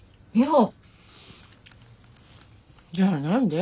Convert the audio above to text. じゃあ何で？